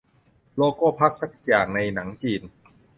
โลโก้พรรคสักอย่างในหนังจีน